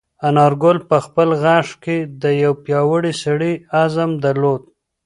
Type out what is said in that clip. انارګل په خپل غږ کې د یو پیاوړي سړي عزم درلود.